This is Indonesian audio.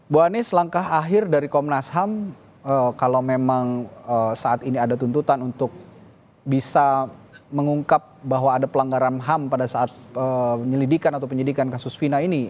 bu anies langkah akhir dari komnas ham kalau memang saat ini ada tuntutan untuk bisa mengungkap bahwa ada pelanggaran ham pada saat penyelidikan atau penyidikan kasus fina ini